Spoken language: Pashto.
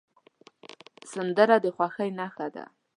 سندره د خوښۍ نښه ده